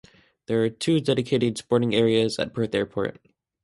There are two dedicated spotting areas at Perth Airport.